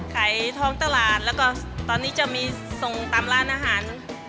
ขายท้องตลาดแล้วก็ตอนนี้จะมีส่งตามร้านอาหาร